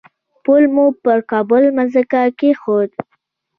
پل مو پر کابل مځکه کېښود.